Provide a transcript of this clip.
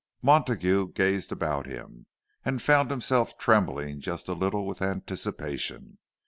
Montague gazed about him, and found himself trembling just a little with anticipation.